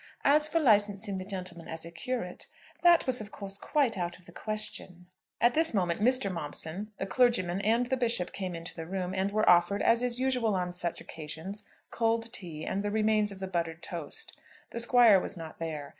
As for licensing the gentleman as a curate, that was of course quite out of the question." At this moment Mr. Momson, the clergyman, and the Bishop came into the room, and were offered, as is usual on such occasions, cold tea and the remains of the buttered toast. The squire was not there.